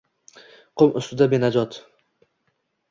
Qum ustida benajot.